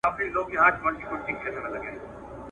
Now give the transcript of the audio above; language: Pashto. په سینو کي یې ځای ونیوی اورونو !.